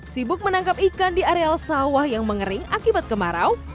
sibuk menangkap ikan di areal sawah yang mengering akibat kemarau